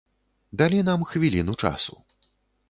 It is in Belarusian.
Далі нам хвіліну часу.